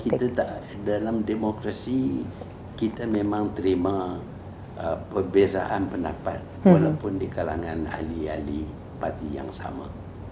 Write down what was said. ya politik kita tidak dalam demokrasi kita memang terima perbezaan pendapat walaupun di kalangan ahli ahli partai yang sama